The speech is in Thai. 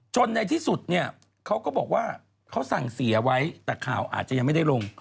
ในที่สุดเนี่ยเขาก็บอกว่าเขาสั่งเสียไว้แต่ข่าวอาจจะยังไม่ได้ลง